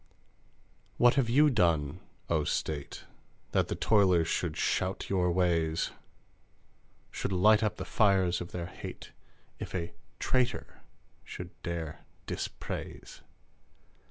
.............................. What have you done, O State, That the toilers should shout your ways? Should light up the fires of their hateIf a "traitor" should dare dispraise?